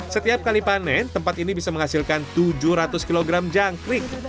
setiap kali panen tempat ini bisa menghasilkan tujuh ratus kg jangkrik